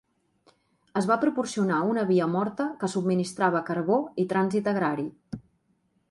Es va proporcionar una via morta que subministrava carbó i trànsit agrari.